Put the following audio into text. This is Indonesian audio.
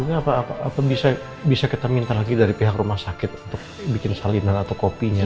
ini apa bisa kita minta lagi dari pihak rumah sakit untuk bikin salinan atau kopinya